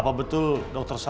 tak perlu lagi bicarakan